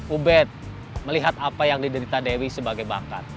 ubed melihat apa yang diderita dewi sebagai bakat